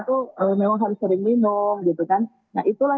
sebenarnya tentang negara negara